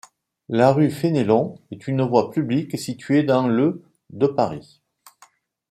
La rue Fénelon est une voie publique située dans le de Paris.